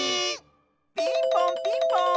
ピンポンピンポーン！